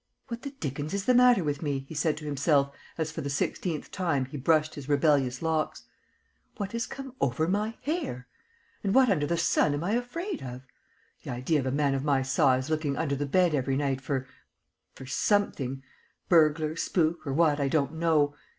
"What the dickens is the matter with me?" he said to himself, as for the sixteenth time he brushed his rebellious locks. "What has come over my hair? And what under the sun am I afraid of? The idea of a man of my size looking under the bed every night for for something burglar, spook, or what I don't know.